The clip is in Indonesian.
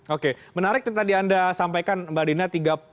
oke menarik yang tadi anda sampaikan mbak dina